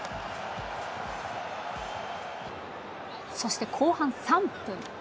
そして、後半３分。